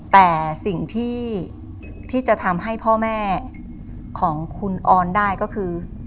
แต่สิ่งที่จะทำให้พ่อแม่ของคุณออนได้ก็คือ